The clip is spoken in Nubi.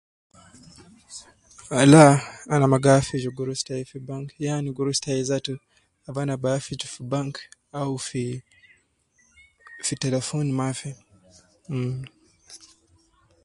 Ah la, ana ma gi hafidh gurus tai fi bank, yani gurus tai zatu ab ana bi hafidh fi bank au fi ,fi telephon mafi, mh